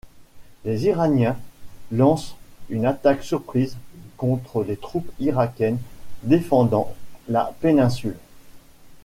Les Iraniens lancent une attaque surprise contre les troupes irakiennes défendant la péninsule.